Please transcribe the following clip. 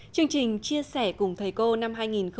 chương trình chia sẻ cùng thầy cô năm hai nghìn một mươi chín